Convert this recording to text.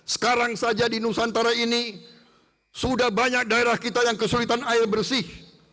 sekarang saja di nusantara ini sudah banyak daerah kita yang kesulitan air bersih